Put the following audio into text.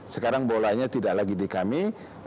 sekarang bolanya tidak lagi di kami